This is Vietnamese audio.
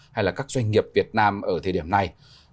hay là các doanh nghiệp việt nam ở thời điểm này